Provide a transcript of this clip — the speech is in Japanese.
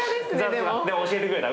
でも教えてくれた。